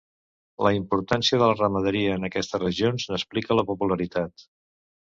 La importància de la ramaderia en aquestes regions n'explica la popularitat.